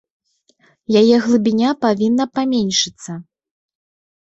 Яе глыбіня павінна паменшыцца.